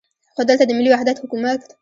خو دلته د ملي وحدت حکومت.